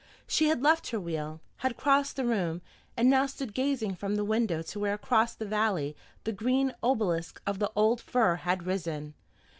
She had left her wheel, had crossed the room, and now stood gazing from the window to where across the valley the green obelisk of the old fir had risen.